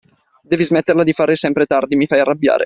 Devi smetterla di fare sempre tardi, mi fai arrabbiare.